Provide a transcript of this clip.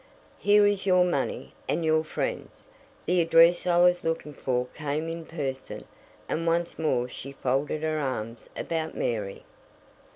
Here is your money and your friend's. The address I was looking for came in person," and once more she folded her arms about Mary.